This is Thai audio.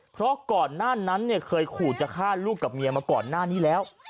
เพราะก่อนหน้านั้นเนี่ยเคยขู่จะฆ่าลูกกับเมียมาก่อนหน้านี้แล้ว